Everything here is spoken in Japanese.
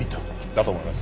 だと思います。